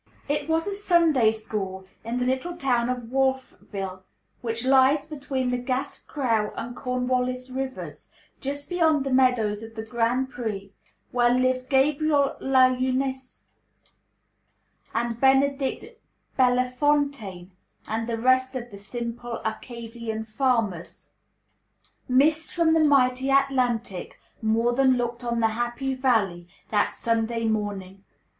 It was a Sunday school in the little town of Wolfville, which lies between the Gaspcreau and Cornwallis rivers, just beyond the meadows of the Grand Pré, where lived Gabriel Lajeunesse, and Benedict Bellefontaine, and the rest of the "simple Acadian farmers." "Mists from the mighty Atlantic" more than "looked on the happy valley" that Sunday morning.